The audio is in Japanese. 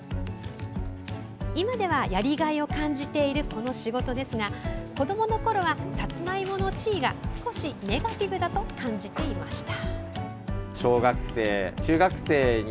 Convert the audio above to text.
今ではやりがいを感じているこの仕事ですが子どものころはさつまいもの地位が少しネガティブだと感じていました。